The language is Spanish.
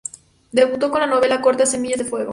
Debutó con la novela corta "Semillas de fuego".